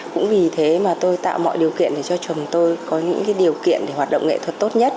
cũng vì thế mà tôi tạo mọi điều kiện để cho chồng tôi có những điều kiện để hoạt động nghệ thuật tốt nhất